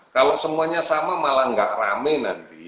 kalau semuanya sama malah nggak rame nanti